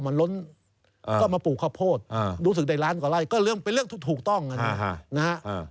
มาปลูกข้าวโพดมันเริ่มเป็นเรื่องถูกต้องนะ